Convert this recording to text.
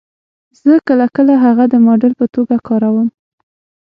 زه کله کله هغه د ماډل په توګه کاروم